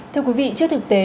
thưa quý vị trước thực tế